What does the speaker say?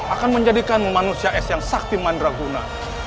akan menjadikan manusia es yang sakti mandraguna